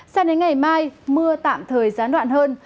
sang đến ngày mai mưa tạm thời gián đoạn hơn